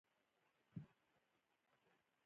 په لاره کې بس ولاړ ده